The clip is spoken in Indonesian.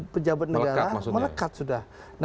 pejabat negara melekat sudah